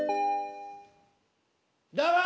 どうも！